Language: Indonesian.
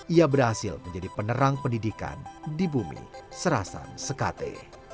ia berhasil menjadi penerang pendidikan di bumi serasan sekate